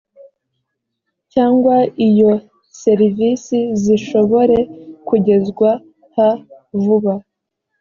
cyangwa iyo serivisi zishobore kugezwa ha vuba